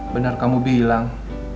benar kamu bilang